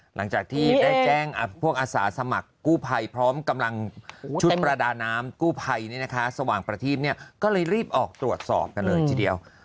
หลังจากที่ได้แจ้งพวกอาสาสมัครกู้ภัยพร้อมกำลังชุดประดาน้ำกู้ภัยสว่างประทีพก็เลยรีบออกตรวจสอบกันเลยทีเดียว